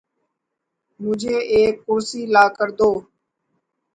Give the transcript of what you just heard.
مجھے ایک کرسی لا کر دو